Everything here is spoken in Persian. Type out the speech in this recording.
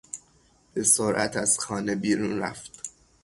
به سرعت از خانه بیرون رفت.